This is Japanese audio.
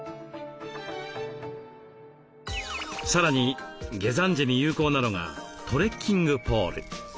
さらに下山時に有効なのがトレッキングポール。